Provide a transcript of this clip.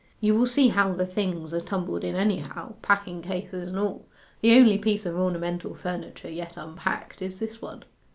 You will see how the things are tumbled in anyhow, packing cases and all. The only piece of ornamental furniture yet unpacked is this one.